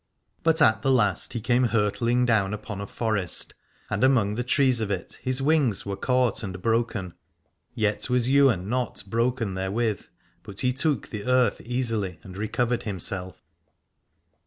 But at the last he came hurtling down upon a forest, and among the trees of it his wings were caught and broken : yet was Ywain not broken therewith, but he took the earth easily and recovered himself.